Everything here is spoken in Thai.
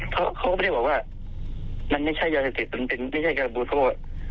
เขาก็ไม่ได้บอกว่ามันไม่ใช่ยาเสพติดมันไม่ใช่กระบูรโทร